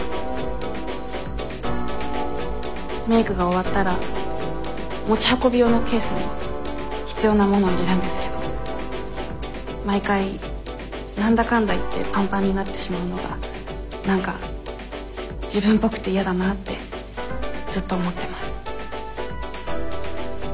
メークが終わったら持ち運び用のケースに必要なものを入れるんですけど毎回何だかんだ言ってパンパンになってしまうのが何か自分っぽくて嫌だなってずっと思ってます。